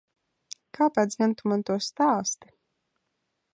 Kāpēc gan Tu man to stāsti?